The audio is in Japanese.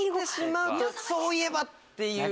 そういえばっていう。